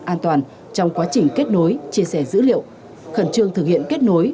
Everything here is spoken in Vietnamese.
an toàn trong quá trình kết nối chia sẻ dữ liệu khẩn trương thực hiện kết nối